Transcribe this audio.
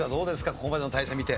ここまでの対戦見て。